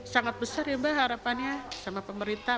sangat besar ya mbak harapannya sama pemerintah